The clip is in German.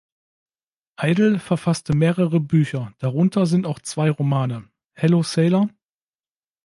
Idle verfasste mehrere Bücher, darunter sind auch zwei Romane, "Hello Sailor!